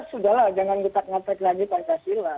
sudah lah jangan letak ngetek lagi pancasila